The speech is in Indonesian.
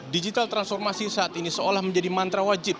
digital transformasi saat ini seolah menjadi mantra wajib